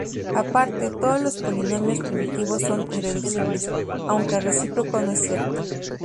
Aparte, todos los polinomios primitivos son irreducibles, aunque el recíproco no es cierto.